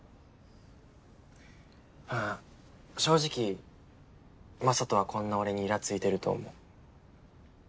まぁ正直雅人はこんな俺にイラついてると思う。